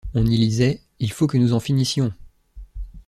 On y lisait: «— Il faut que nous en finissions!